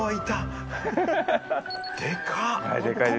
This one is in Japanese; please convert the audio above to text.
でかっ！